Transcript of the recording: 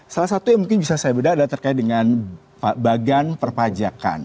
salah satu yang mungkin bisa saya beda adalah terkait dengan bagan perpajakan